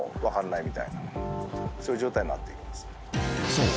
［そう。